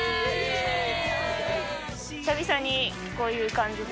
久々にこういう感じで。